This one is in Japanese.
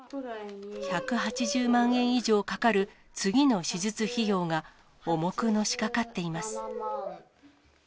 １８０万円以上かかる次の手術費用が重くのしかかっています。